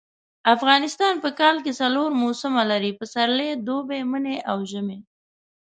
افغانستان په کال کي څلور موسمه لري . پسرلی دوبی منی او ژمی